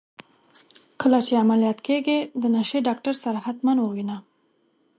کله چي عمليات کيږې د نشې ډاکتر سره حتما ووينه.